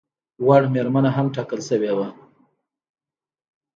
وړ مېرمنه هم ټاکل شوې وه.